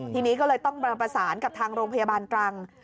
ทีนี้ก็เลยต้องประสานกับทางโรงพยาบาลตรัง